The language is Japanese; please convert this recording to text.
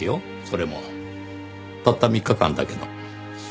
それもたった３日間だけの。